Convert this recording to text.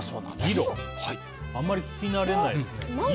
あんまり聞き慣れないですね。